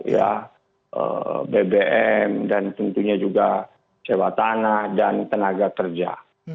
ya bbm dan tentunya juga sewa tanah dan tenaga kerja